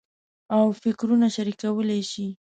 او فکرونه شریکولای شي.